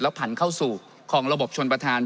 ผ่านเข้าสู่ของระบบชนประธาน